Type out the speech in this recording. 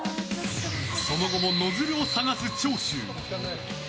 その後もノズルを探す長州。